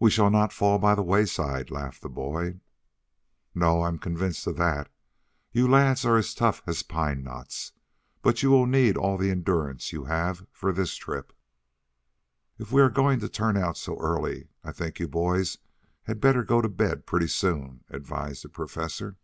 "We shall not fall by the wayside," laughed the boy. "No; I am convinced of that. You lads are as tough as pine knots, but you will need all the endurance you have for this trip." "If we are going to turn out so early, I think you boys had better go to bed pretty soon," advised the Professor.